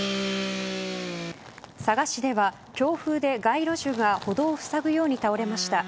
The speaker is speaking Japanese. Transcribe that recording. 佐賀市では、強風で街路樹が歩道をふさぐように倒れました。